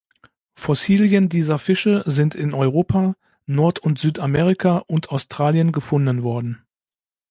Fossilien dieser Fische sind in Europa, Nord- und Südamerika und Australien gefunden worden.